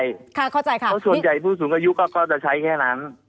เพราะส่วนใหญ่เพราะส่วนใหญ่ผู้สูงอายุก็จะใช้แค่นั้น